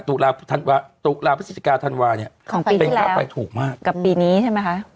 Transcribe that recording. ตุกราศาสตริกาธันวาคมเนี้ยของปีที่แล้วเป็นค่าไฟถูกมากกับปีนี้ใช่ไหมคะ